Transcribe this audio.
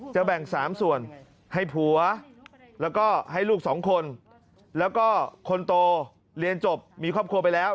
แบ่ง๓ส่วนให้ผัวแล้วก็ให้ลูก๒คนแล้วก็คนโตเรียนจบมีครอบครัวไปแล้ว